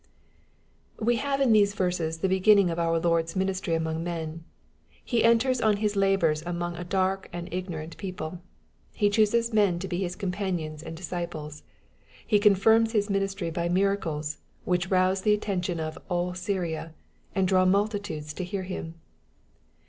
We have in these verses the beginning of our Lord's ministry among men. He enters on His labors among a dark and ignorant people. He chooses men to be His companions and disciples. He confirms His ministry by miracles, which rouse the attention of '* all Syria/' and draw multitudes to hear Him.